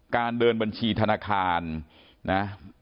การเดินบัญชีธนาคารนะ